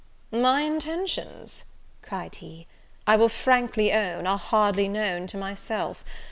"My intentions," cried he, "I will frankly own, are hardly known to myself.